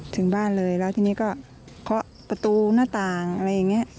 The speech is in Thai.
ถึงบ้านเลยแล้วทีนี้ก็เคาะประตูหน้าต่างอะไรอย่างนี้